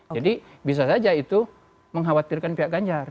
jadi bisa saja itu mengkhawatirkan pihak ganjar